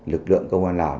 lực lượng công an lào